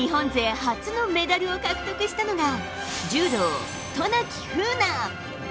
初のメダルを獲得したのが柔道、渡名喜風南。